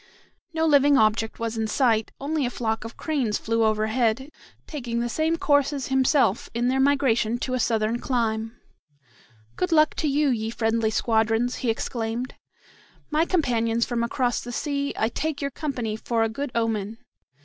No living object was in sight, only a flock of cranes flew overhead taking the same course as himself in their migration to a southern clime. "Good luck to you, ye friendly squadrons," he exclaimed, "my companions from across the sea. I take your company for a good omen.